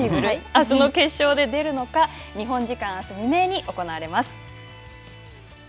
あすの決勝で出るのか、日本時間あす未明に行われます。